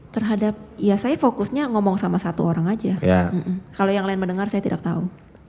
terhadap ya saya fokusnya ngomong sama satu orang aja kalau yang lain mendengar saya tidak tahu